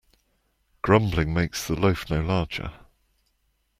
Grumbling makes the loaf no larger.